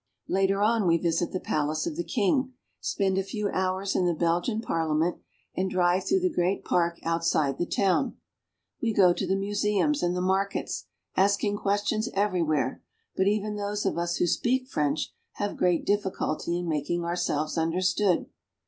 Later on we visit the palace of the king, spend a few hours in the Belgian Parliament, and drive through the THE BUSIEST WORKSHOP OF EUROPE. 1 31 great park outside the town. We go to the museums and the markets, asking questions everywhere, but even those of us who speak French have great difficulty in making ourselves understood.